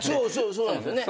そうなんですよね。